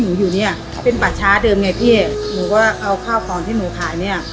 อยู่เนี้ยเป็นป่าช้าเดิมไงพี่หนูก็เอาข้าวของที่หนูขายเนี้ย